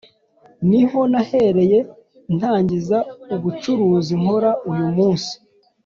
Niho nahereye ntangiza ubucuruzi nkora uyu munsi